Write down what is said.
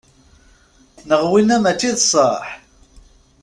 Neɣ wina mačči d sseḥ?